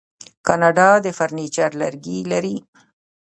کاناډا د فرنیچر لرګي لري.